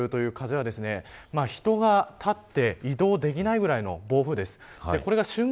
３０メートルという風は人が立って移動できないぐらいの暴風です。